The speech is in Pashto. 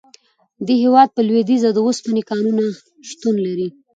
د هیواد په لویدیځ کې د اوسپنې کانونه شتون لري.